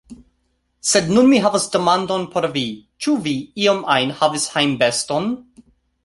Sed nun mi havas demandon por vi, Ĉu vi, iam ajn, havis hejmbeston?